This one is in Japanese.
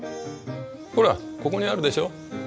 ほらここにあるでしょう。